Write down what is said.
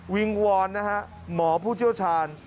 วิงวอนนะฮะหมอผู้เชี่ยวชาญ